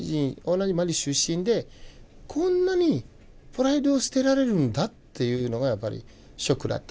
同じマリ出身でこんなにプライドを捨てられるんだっていうのがやっぱりショックだった。